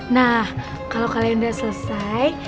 nah kalau kalian udah selesai